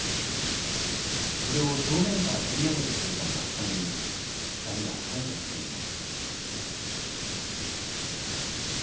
それを正面から取り上げてくれた那須さんに２人は感謝しています。